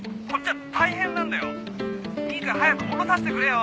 いいから早く降ろさせてくれよ！